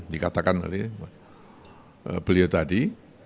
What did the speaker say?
dikatakan oleh beliau tadi